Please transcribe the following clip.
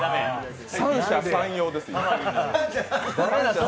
三者三様ですよ。